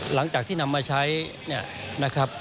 หลังจากที่นำมาใช้เนี่ยนะครับ